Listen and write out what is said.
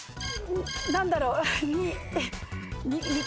何だろう？